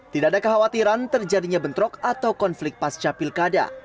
tidak ada kekhawatiran terjadinya bentrok atau konflik pasca pilkada